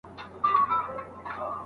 خپل اولاد ته نیکه او سالمه روزنه ورکړئ.